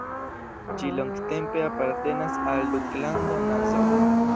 Ĝi longtempe apartenas al Duklando Nassau.